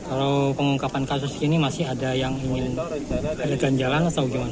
kalau pengungkapan kasus ini masih ada yang ingin ganjalan atau gimana